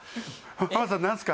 浜田さん何すか？